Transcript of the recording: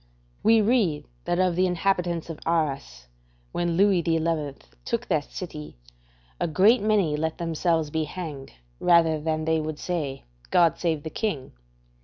We read that of the inhabitants of Arras, when Louis XI. took that city, a great many let themselves be hanged rather than they would say, "God save the King."